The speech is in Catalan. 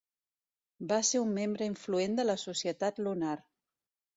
Va ser un membre influent de la Societat Lunar.